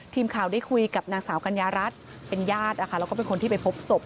ทีมข่าวได้คุยกับนางสาวกัญญารัฐเป็นญาตินะคะแล้วก็เป็นคนที่ไปพบศพ